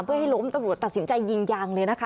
เพื่อให้ล้มตำรวจตัดสินใจยิงยางเลยนะคะ